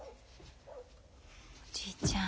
おじいちゃん。